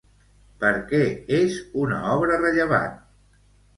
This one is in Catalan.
Per què és una obra rellevant?